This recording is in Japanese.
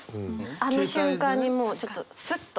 あの瞬間にもうちょっとスッと。